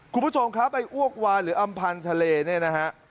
คุณผู้ชมครับไอ้อ้วกวานหรืออำพันธ์ทะเลเนี่ยนะฮะ